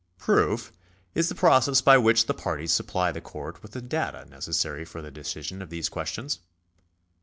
Proof is the process by which the parties supply the court with the data necessary for the decision of those questions.